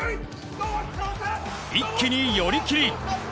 一気に寄り切り！